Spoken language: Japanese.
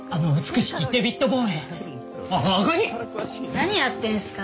何やってんすか？